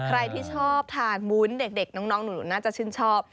ใครที่ชอบทานวุ้นเด็กน้องหนูน่าจะชื่นชอบ